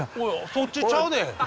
そっちちゃうで。